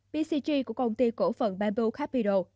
pcg của công ty cổ phần bamboo capital